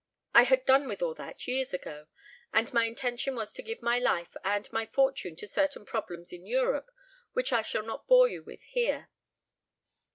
I had done with all that years ago, and my intention was to give my life and my fortune to certain problems in Europe which I shall not bore you with here.